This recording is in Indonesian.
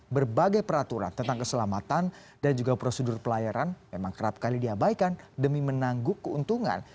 berbagai peraturan tentang keselamatan dan juga prosedur pelayaran memang kerap kali diabaikan demi menangguk keuntungan